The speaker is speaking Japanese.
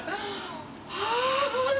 ああ。